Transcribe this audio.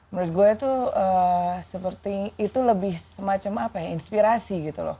menurut gue itu seperti itu lebih semacam apa ya inspirasi gitu loh